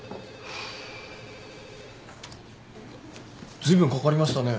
ずいぶんかかりましたね。